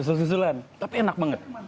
nasi balapnya susul susulan tapi enak banget